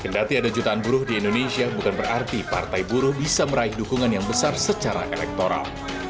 kendati ada jutaan buruh di indonesia bukan berarti partai buruh bisa meraih dukungan yang besar secara elektoral